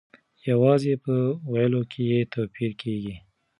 یوازې په ویلو کې یې توپیر کیږي.